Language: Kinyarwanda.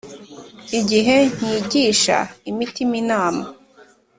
igihe nkigisha imitima inama